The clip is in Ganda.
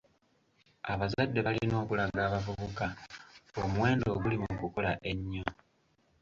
Abazadde balina okulaga abavubuka omuwendo oguli mu kukola ennyo.